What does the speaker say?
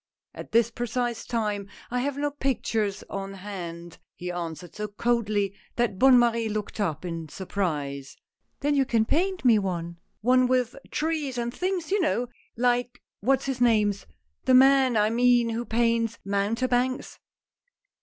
" At this precise time I have no pictures on hand," he answered so coldly, that Bonne Marie looked up in surprise. " Then you can paint me one — one with trees and things you know, like what's his name's — The man I mean who paints mountebanks."